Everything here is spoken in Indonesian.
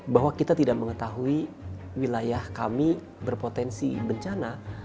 bahwa kita tidak mengetahui wilayah kami berpotensi bencana